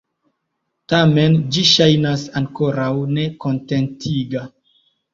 Tamen, ĝi ŝajnas ankoraŭ nekontentiga.